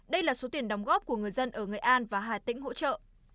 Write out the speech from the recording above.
đây là số tiền đóng góp của người dân ở nghệ an và hà tĩnh hỗ trợ